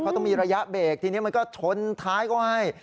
เขาต้องมีระยะเบรกทีนี้มันก็ชนท้ายเขาให้